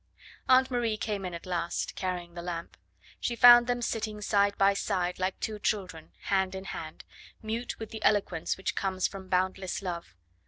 Aunt Marie came in at last, carrying the lamp. She found them sitting side by side, like two children, hand in hand, mute with the eloquence which comes from boundless love.